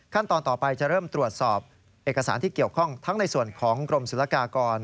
ต่อไปจะเริ่มตรวจสอบเอกสารที่เกี่ยวข้องทั้งในส่วนของกรมศุลกากร